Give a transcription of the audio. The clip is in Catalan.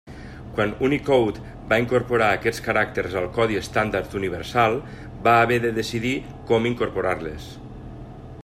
Quan Unicode va incorporar aquests caràcters al codi estàndard universal va haver de decidir com incorporar-les.